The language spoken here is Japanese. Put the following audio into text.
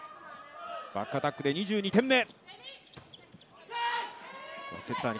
バックアタックで２２点目。